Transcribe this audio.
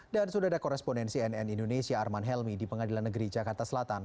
dan sudah ada koresponensi nn indonesia arman helmi di pengadilan negeri jakarta selatan